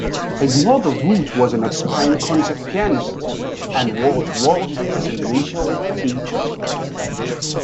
His mother Ruth was an aspiring concert pianist, and was Walton's initial teacher.